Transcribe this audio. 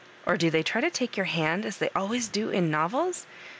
— or do they try to take your hand as they always do in novels?